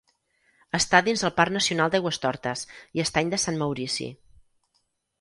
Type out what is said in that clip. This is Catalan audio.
Està dins el Parc Nacional d'Aigüestortes i Estany de Sant Maurici.